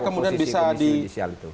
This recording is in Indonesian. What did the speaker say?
kemudian bisa di